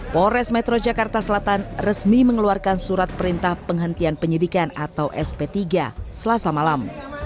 polres metro jakarta selatan resmi mengeluarkan surat perintah penghentian penyidikan atau sp tiga selasa malam